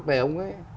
để ông ấy